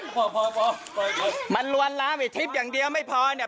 พอมันรวนรามอีทิศอย่างเดียวไม่พอเนี่ย